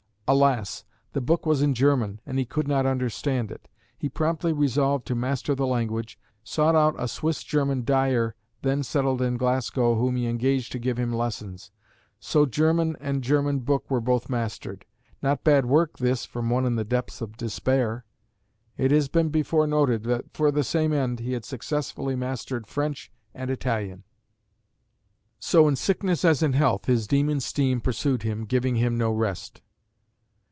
Alas! the book was in German, and he could not understand it. He promptly resolved to master the language, sought out a Swiss German dyer then settled in Glasgow whom he engaged to give him lessons. So German and the German book were both mastered. Not bad work this from one in the depths of despair. It has been before noted that for the same end he had successfully mastered French and Italian. So in sickness as in health his demon steam pursued him, giving him no rest.